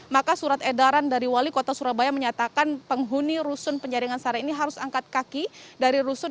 maka surat edaran dari wali kota surabaya menyatakan penghuni rusun penjaringan sehari ini harus angkat kaki dari rusun